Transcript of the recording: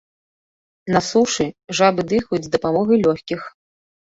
На сушы жабы дыхаюць з дапамогай лёгкіх.